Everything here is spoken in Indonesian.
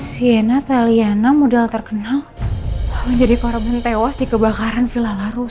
sienna taliana mudah terkenal menjadi korban tewas di kebakaran villa larussa